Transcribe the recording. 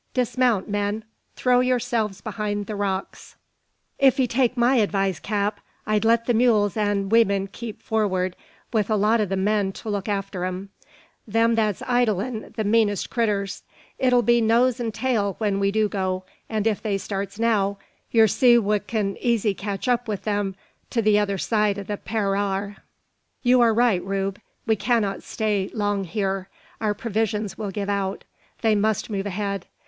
Dismount, men! Throw yourselves behind the rocks!" "If 'ee take my advice, cap, I'd let the mules and weemen keep for'ard, with a lot o' the men to look arter 'em; them that's ridin' the meanest critters. It'll be nose an' tail when we do go; and if they starts now, yur see wa kin easy catch up with 'em t'other side o' the parairar." "You are right, Rube! We cannot stay long here. Our provisions will give out. They must move ahead.